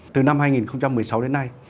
từ năm hai nghìn một mươi sáu đến nay